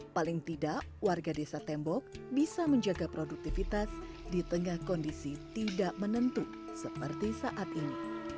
paling tidak warga desa tembok bisa menjaga produktivitas di tengah kondisi tidak menentu seperti saat ini